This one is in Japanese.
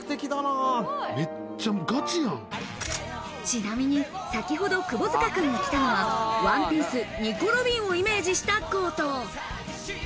ちなみに、先ほど窪塚君が着たのは『ＯＮＥＰＩＥＣＥ』、ニコ・ロビンをイメージしたコート。